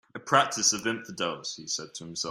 "A practice of infidels," he said to himself.